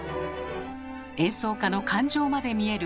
演奏家の感情まで見える